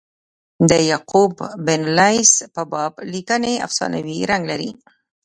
د یعقوب بن لیث په باب لیکني افسانوي رنګ لري.